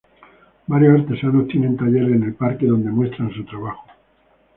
Varios artesanos tienen talleres en el parque donde muestran su trabajo.